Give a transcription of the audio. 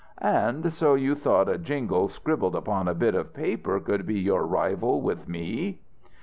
"And so you thought a jingle scribbled upon a bit of paper could be your rival with me!"